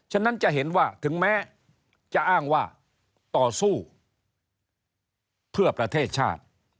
ฉะนั้นจะเห็นว่าถึงแม้จะอ้างว่าต่อสู้เพื่อประเทศชาติ